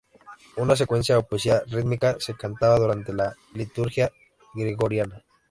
Una secuencia, o poesía rítmica, se cantaba durante la liturgia gregoriana.